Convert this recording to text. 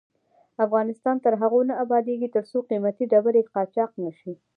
افغانستان تر هغو نه ابادیږي، ترڅو قیمتي ډبرې قاچاق نشي.